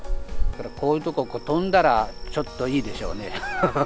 こういう所を飛んだら、ちょっといいでしょうね。